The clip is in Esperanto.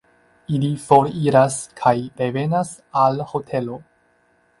Ili foriras kaj revenas al hotelo.